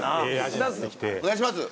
お願いします。